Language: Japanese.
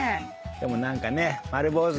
でも何かね。